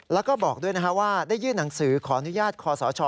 แล้วก็บอกด้วยว่าได้ยื่นหนังสือขออนุญาตคอสช